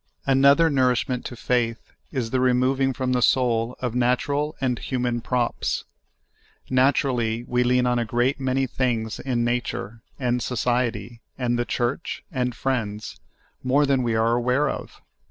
Another nourishment to faith is the removing from the soul of natural and human props. Naturall} we lean on a great many things in nature, and society, and FEEDING OUR 1 AlTH. 35 the Church, and friends, more than we are aware of.